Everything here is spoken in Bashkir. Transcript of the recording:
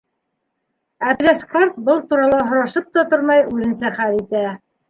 Әпләс ҡарт, был турала һорашып та тормай, үҙенсә хәл итә.